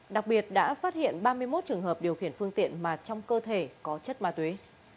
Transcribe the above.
đặc biệt đã phát hiện ba mươi một trường hợp điều khiển phương tiện mà trong cơ thể có chất ma túy